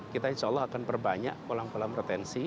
kita insya allah akan perbanyak kolam kolam retensi